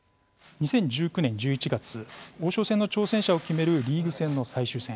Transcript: ２０１９年１１月王将戦の挑戦者を決めるリーグ戦の最終戦。